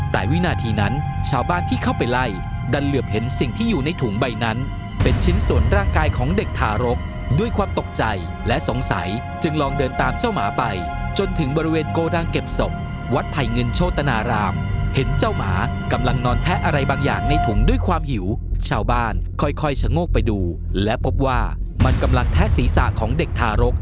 แต่วินาทีนั้นชาวบ้านที่เข้าไปไล่ดันเหลือบเห็นสิ่งที่อยู่ในถุงใบนั้นเป็นชิ้นส่วนร่างกายของเด็กทารกด้วยความตกใจและสงสัยจึงลองเดินตามเจ้าหมาไปจนถึงบริเวณโกดังเก็บศพวัดไผ่เงินโชตนารามเห็นเจ้าหมากำลังนอนแทะอะไรบางอย่างในถุงด้วยความหิวชาวบ้านค่อยชะโงกไปดูและพบว่ามันกำลังแทะศีรษะของเด็กทารก